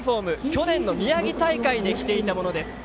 去年の宮城大会で着ていたものです。